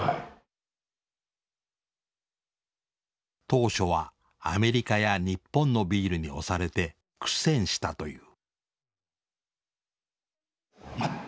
当初はアメリカや日本のビールに押されて苦戦したという。